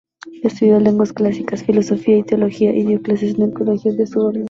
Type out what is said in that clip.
Estudió lenguas clásicas, filosofía y teología y dio clases en colegios de su orden.